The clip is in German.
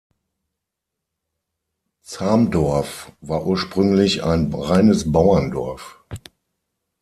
Zamdorf war ursprünglich ein reines Bauerndorf.